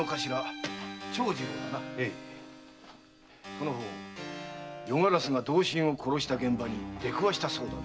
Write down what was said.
その方夜鴉が同心を殺した現場に出くわしたそうだな？